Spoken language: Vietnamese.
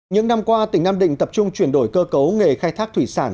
những năm qua tỉnh nam định tập trung chuyển đổi cơ cấu nghề khai thác thủy sản